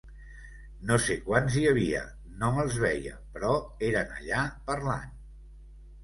No sé quants hi havia, no els veia, però eren allà, parlant.